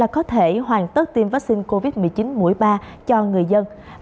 có thể hoàn tất tiêm vắc xin covid một mươi chín mũi ba cho người dân